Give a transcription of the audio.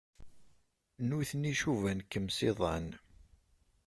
Nutni cuban-kem s iḍan.